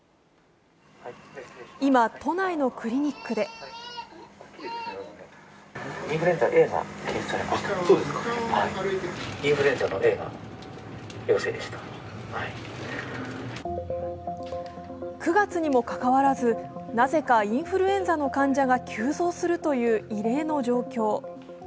今、都内のクリニックで９月にもかかわらず、なぜかインフルエンザの患者が急増するという異例の状況。